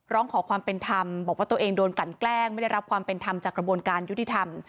ร้องขอความเป็นธรรมบอกว่าตัวเองโดนกลั่นแกล้งไม่ได้รับความเป็นธรรมจากกระบวนการยุติธรรม